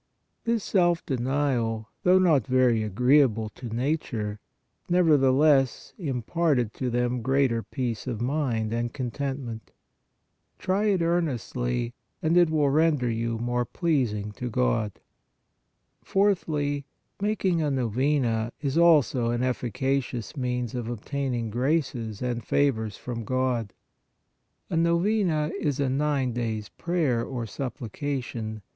This self denial, though not very agreeable to nature, nevertheless, imparted to them greater peace of mind and contentment. Try it earnestly, PRAYER MADE MORE EFFECTIVE 69 and it will render you more pleasing to God. Fourthly, making a Novena is also an efficacious means of obtaining graces and favors from God. A Novena is a nine days prayer or supplication.